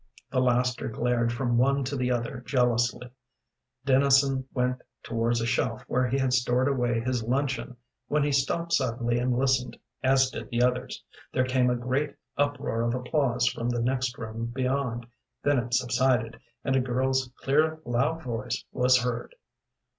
The laster glared from one to the other jealously. Dennison went towards a shelf where he had stored away his luncheon, when he stopped suddenly and listened, as did the others. There came a great uproar of applause from the next room beyond. Then it subsided, and a girl's clear, loud voice was heard.